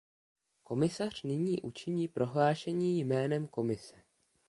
Komisař nyní učiní prohlášení jménem Komise.